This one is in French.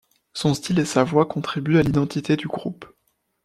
Son style et sa voix contribuent à l'identité du groupe.